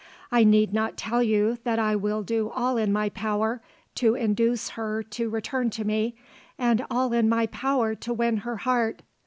I need not tell you that I will do all in my power to induce her to return to me, and all in my power to win her heart.